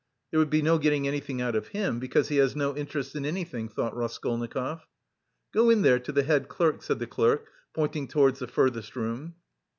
"There would be no getting anything out of him, because he has no interest in anything," thought Raskolnikov. "Go in there to the head clerk," said the clerk, pointing towards the furthest room.